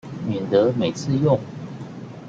免得每次用